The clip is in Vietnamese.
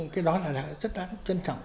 cái đó là rất đáng trân trọng